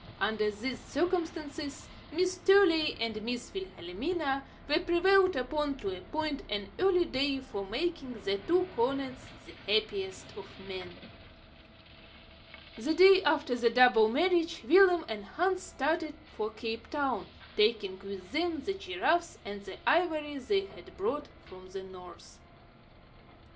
Under these circumstances, Miss Truey and Miss Wilhelmina were prevailed upon to appoint an early day for making the two cornets the happiest of men. The day after the double marriage, Willem and Hans started for Cape Town, taking with them the giraffes and the ivory they had brought from the north.